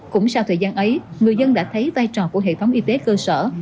cũng sau thời gian ấy người dân đã thấy vai trò của hệ thống y tế cơ sở